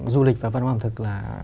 du lịch và văn hóa ẩm thực là